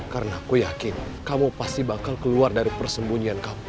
karena aku yakin kamu pasti akan keluar dari persembunyian kamu